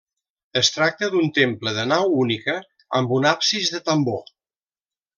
Es tracta d'un temple de nau única, amb un absis de tambor.